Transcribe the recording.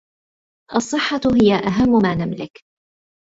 الصحة هي أهم ما نملك